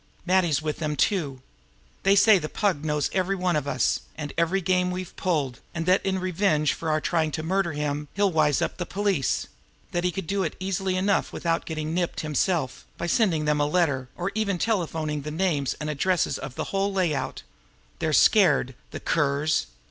Matty's with them, too. They say the Pug knows every one of us, and every game we've pulled, and that in revenge for our trying to murder him he'll wise up the police that he could do it easily enough without getting nipped himself, by sending them a letter, or even telephoning the names and addresses of the whole layout. They're scared he curs!